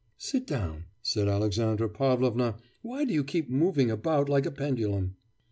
'Sit down,' said Alexandra Pavlovna, 'why do you keep moving about like a pendulum?